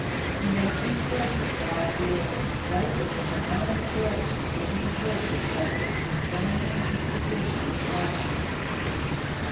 He made two portraits of Osceola, both of which are now in the collection of Indian portraits at the Smithsonian Institution, in Washington.